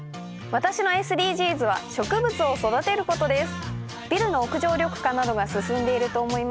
私のＳＤＧｓは植物を育てることです